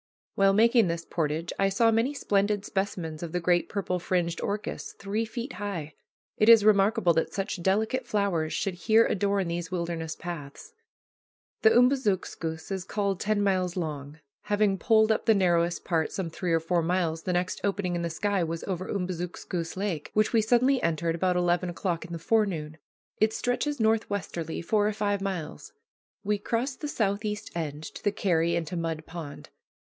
While making this portage I saw many splendid specimens of the great purple fringed orchis, three feet high. It is remarkable that such delicate flowers should here adorn these wilderness paths. The Umbazookskus is called ten miles long. Having poled up the narrowest part some three or four miles, the next opening in the sky was over Umbazookskus Lake, which we suddenly entered about eleven o'clock in the forenoon. It stretches north westerly four or five miles. We crossed the southeast end to the carry into Mud Pond.